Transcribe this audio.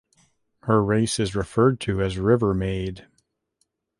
Her race is referred to as "River-maid".